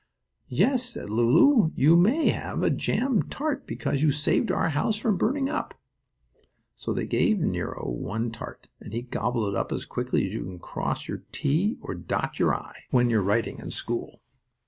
"Yes," said Lulu, "you may have a jam tart because you saved our house from burning up." So they gave Nero one tart, and he gobbled it up as quickly as you can cross your "t" or dot your "i" when you're writing in school.